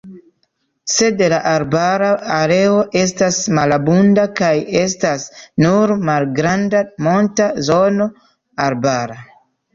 Sed la arbara areo estas malabunda kaj estas nur malgranda monta zono arbara.